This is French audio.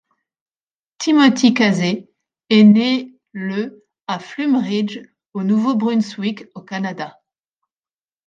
Timothy Casey est né le à Flume Ridge au Nouveau-Brunswick au Canada.